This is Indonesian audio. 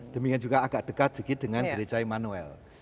demikian juga agak dekat dengan gereja immanuel